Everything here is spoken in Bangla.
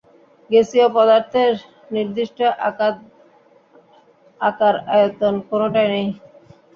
গ্যাসীয় পদার্থের নির্দিষ্ট আকার-আয়তন কোনোটাই নেই।